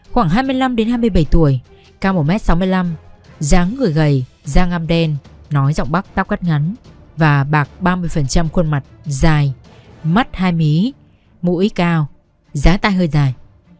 khoảng hai mươi năm đến hai mươi bảy tuổi cao một m sáu mươi năm dáng người gầy da ngam đen nói giọng bắc tóc gắt ngắn và bạc ba mươi khuôn mặt dài mắt hai mý mũi cao giá tai hơi dài